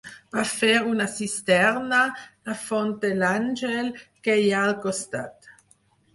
Va fer una cisterna, la font de l'Àngel que hi ha al costat.